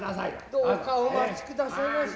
どうかお待ちくださいまし。